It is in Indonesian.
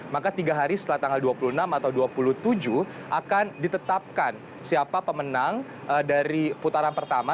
maka tiga hari setelah tanggal dua puluh enam atau dua puluh tujuh akan ditetapkan siapa pemenang dari putaran pertama